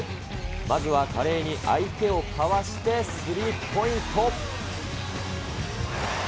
まずは華麗に相手をかわしてスリーポイント。